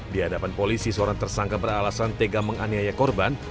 di hadapan polisi seorang tersangka beralasan tega menganiaya korban